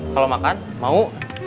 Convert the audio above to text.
kalau makan mau